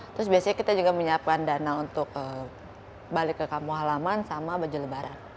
terus biasanya kita juga menyiapkan dana untuk balik ke kampung halaman sama baju lebaran